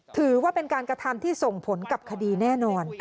ถือว่าเป็นการกระทำที่ส่งผลกับคดีแน่นอน